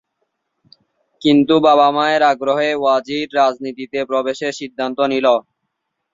কিন্তু বাবা-মায়ের আগ্রহে ওয়াজির রাজনীতিতে প্রবেশের সিদ্ধান্ত নিল।